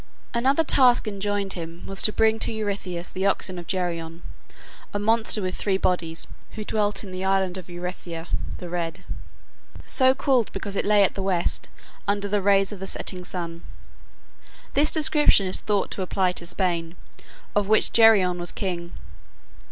Another task enjoined him was to bring to Eurystheus the oxen of Geryon, a monster with three bodies, who dwelt in the island Erytheia (the red), so called because it lay at the west, under the rays of the setting sun. This description is thought to apply to Spain, of which Geryon was king.